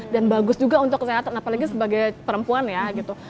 dan bagus juga untuk kesehatan apalagi sebagai perempuan ya gitu